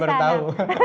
saya baru tahu